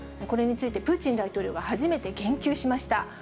これについてプーチン大統領が初めて言及しました。